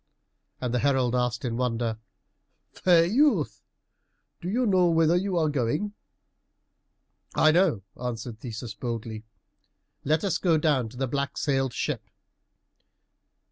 And the herald asked in wonder, "Fair youth, do you know whither you are going?" "I know," answered Theseus boldly; "let us go down to the black sailed ship."